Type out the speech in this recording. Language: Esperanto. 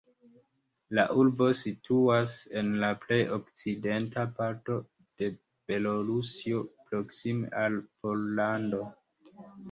La urbo situas en la plej okcidenta parto de Belorusio, proksime al Pollando.